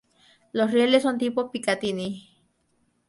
Los rieles son tipo Picatinny.